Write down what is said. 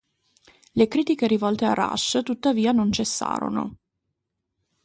Le critiche rivolte a Rush tuttavia non cessarono.